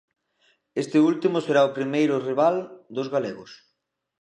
Este último será o primeiro rival dos galegos.